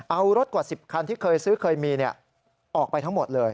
เอารถกว่า๑๐คันที่เคยซื้อเคยมีออกไปทั้งหมดเลย